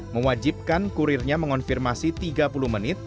mewajibkan kurirnya mengonfirmasi tiga puluh menit